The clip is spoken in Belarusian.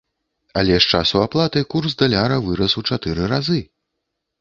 Але з часу аплаты курс даляра вырас у чатыры разы!